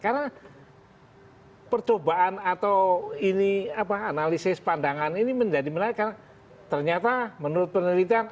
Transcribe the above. karena percobaan atau ini apa analisis pandangan ini menjadi menarik karena ternyata menurut penelitian